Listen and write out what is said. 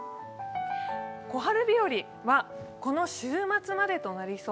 小春日和はこの週末までとなりそう。